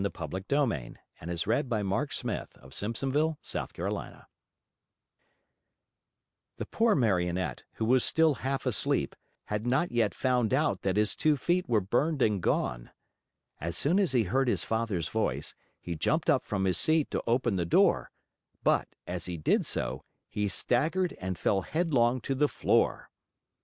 CHAPTER 7 Geppetto returns home and gives his own breakfast to the Marionette The poor Marionette, who was still half asleep, had not yet found out that his two feet were burned and gone. As soon as he heard his Father's voice, he jumped up from his seat to open the door, but, as he did so, he staggered and fell headlong to the floor.